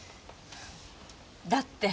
だって。